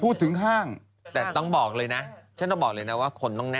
ห้างแต่ต้องบอกเลยนะฉันต้องบอกเลยนะว่าคนต้องแน